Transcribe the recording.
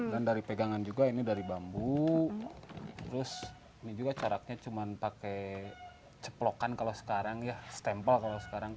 dan dari pegangan juga ini dari bambu terus ini juga caranya cuma pakai ceplokan kalau sekarang ya stempel kalau sekarang